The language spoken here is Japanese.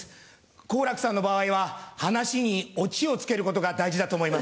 好楽さんの場合は、話におちをつけることが大事だと思います。